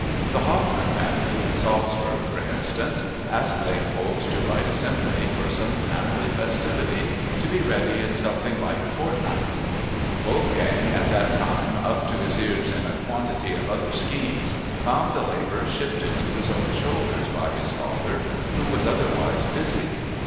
The Haffner family in Salzburg, for instance, asked Leopold to write a symphony for some family festivity, to be ready in something like a fortnight! Wolfgang, at that time up to his ears in a quantity of other schemes, found the labor shifted to his own shoulders by his father, who was otherwise busied.